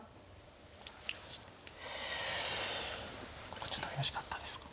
ここちょっと怪しかったですか。